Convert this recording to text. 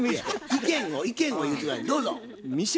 意見を言うて下さい。